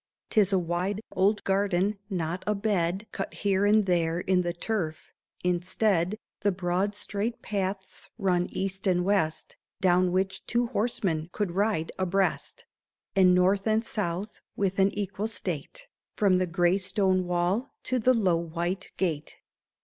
'Tis a wide old garden. Not a bed Cut here and there in the turf; instead, The broad straight paths run east and west, Down which two horsemen could ride abreast, And north and south with an equal state. From the gray stone wall to the low white gate.